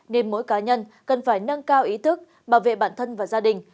nên mỗi cá nhân cần phải nâng cao ý thức bảo vệ bản thân và gia đình